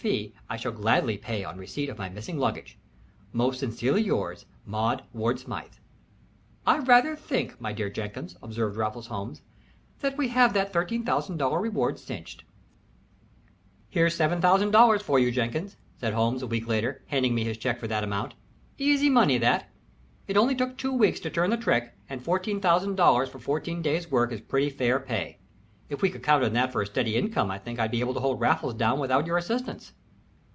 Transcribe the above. fee I shall gladly pay on receipt of my missing luggage. "Most sincerely yours, "MAUDE WARD SMYTHE." "I rather think, my dear Jenkins," observed Raffles Holmes, "that we have that $13,000 reward cinched." "There's $7000 for you, Jenkins," said Holmes, a week later, handing me his check for that amount. "Easy money that. It only took two weeks to turn the trick, and $14,000 for fourteen days' work is pretty fair pay. If we could count on that for a steady income I think I'd be able to hold Raffles down without your assistance."